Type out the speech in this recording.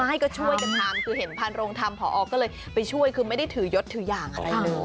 ไม่ก็ช่วยกับทำคือเห็นพลงทำพอก็เลยไปช่วยคือไม่ได้ถือยศถือย่างไปเลย